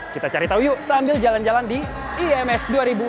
kita cari tahu yuk sambil jalan jalan di ims dua ribu dua puluh